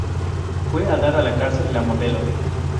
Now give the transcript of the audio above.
Fue a dar a la cárcel La Modelo.